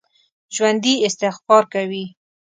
ژوندي استغفار کوي